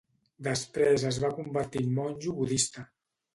Després es va convertir en monjo budista.